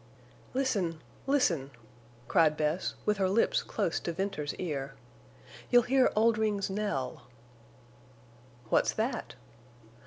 "Listen!... Listen!" cried Bess, with her lips close to Venters's ear. "You'll hear Oldring's knell!" "What's that?"